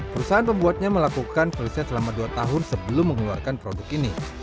perusahaan pembuatnya melakukan penelitian selama dua tahun sebelum mengeluarkan produk ini